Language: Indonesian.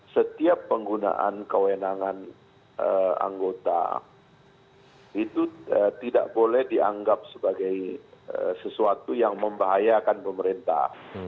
setiap penggunaan kewenangan anggota itu tidak boleh dianggap sebagai sesuatu yang membahayakan pemerintah